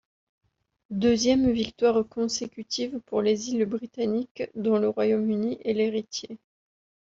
Deuxième victoire consécutive pour les Îles Britanniques dont le Royaume-Uni est l'héritier.